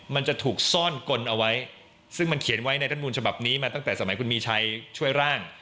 มันจะถูกซ่อนกลเอาไว้ซึ่งมันเขียนไว้ในรัฐมูลฉบับนี้มาตั้งแต่สมัยคุณมีชัยช่วยร่าง